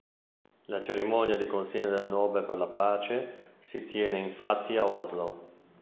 La cerimonia di consegna del Nobel per la pace si tiene infatti a Oslo.